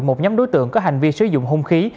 một nhóm đối tượng có hành vi sử dụng hung khí